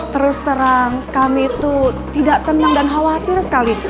terus terang kami itu tidak tenang dan khawatir sekali